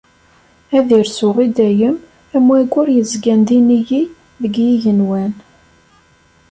Ad irsu i dayem am wayyur yezgan d inigi deg yigenwan.